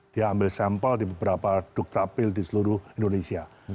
dia ambil sampel di beberapa dukcapil di seluruh indonesia